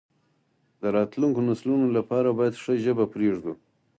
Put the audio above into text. د راتلونکو نسلونو لپاره باید ښه ژبه پریږدو.